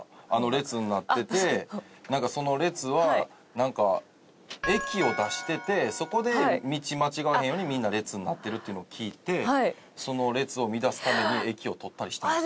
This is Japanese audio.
列になっててその列は液を出しててそこで道間違わへんようにみんな列になってるっていうのを聞いてその列を乱すために液を取ったりしてました。